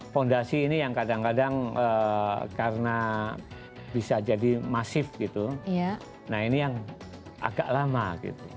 fondasi ini yang kadang kadang karena bisa jadi masif gitu nah ini yang agak lama gitu